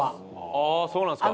ああそうなんですか。